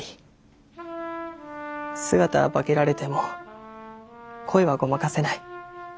姿は化けられても声はごまかせない。